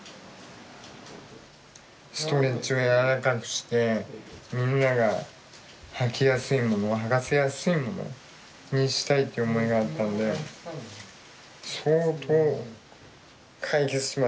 ストレッチをやわらかくしてみんなが、はきやすいものはかせやすいものにしたいという思いがあったので相当、解決しましたね。